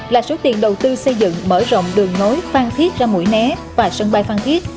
là số tiền đầu tư xây dựng mở rộng đường nối phan thiết ra mũi né và sân bay phan thiết